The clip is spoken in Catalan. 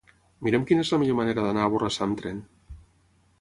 Mira'm quina és la millor manera d'anar a Borrassà amb tren.